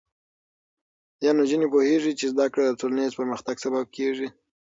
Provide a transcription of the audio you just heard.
ایا نجونې پوهېږي چې زده کړه د ټولنیز پرمختګ سبب کېږي؟